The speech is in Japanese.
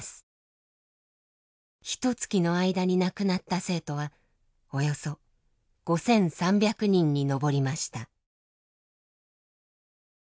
ひとつきの間に亡くなった生徒はおよそ５，３００人に上りました。